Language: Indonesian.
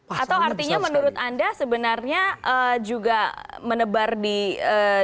atau artinya menurut anda sebenarnya juga menebar di dua sisi nih kemudian